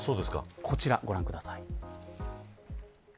こちらをご覧ください。